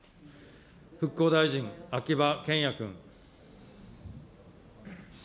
復興大臣、秋葉賢也君。